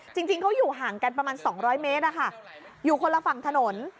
จริงเขาอยู่ห่างกันประมาณ๒๐๐เมตรอยู่คนละฝั่งถนน